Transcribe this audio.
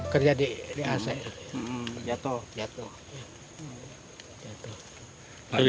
kerja di ac jatuh